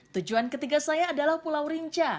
tujuan ketiga saya adalah pulau rinca